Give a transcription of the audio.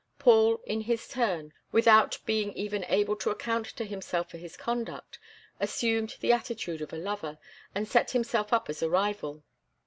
Paul, in his turn, without being even able to account to himself for his conduct, assumed the attitude of a lover, and set himself up as a rival.